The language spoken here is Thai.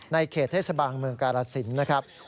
ในเขตเทศบังเมืองกราศิลป์นะครับ